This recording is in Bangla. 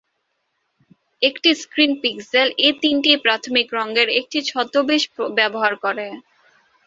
একটি স্ক্রিন পিক্সেল এই তিনটি প্রাথমিক রঙের একটি ছদ্মবেশ ব্যবহার করে।